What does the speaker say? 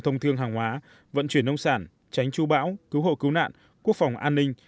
thương hàng hóa vận chuyển nông sản tránh tru bão cứu hộ cứu nạn quốc phòng an ninh